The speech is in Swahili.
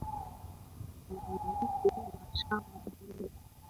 Anamiliki mashamba mengi